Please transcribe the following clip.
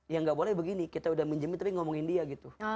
ya nggak boleh begini kita udah minjemin tapi ngomongin dia gitu